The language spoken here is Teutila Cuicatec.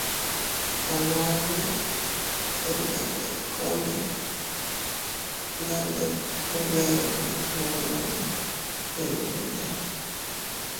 Ananne inña ndikune, nandiku bee ubi julione innuya.